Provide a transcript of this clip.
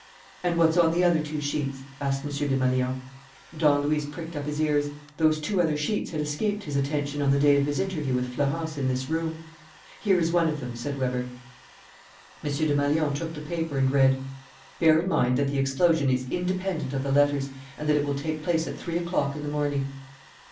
"And what's on the other two sheets?" asked M. Desmalions. Don Luis pricked up his ears. Those two other sheets had escaped his attention on the day of his interview with Florence in this room. "Here is one of them," said Weber. M. Desmalions took the paper and read: "Bear in mind that the explosion is independent of the letters, and that it will take place at three o'clock in the morning."